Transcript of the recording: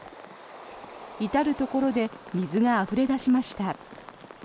至るところで水があふれ出しました。